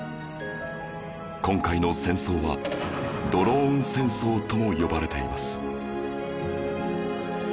今回の戦争はドローン戦争とも呼ばれています